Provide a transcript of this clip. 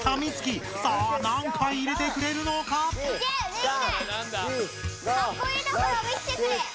かっこいいところを見せてくれ！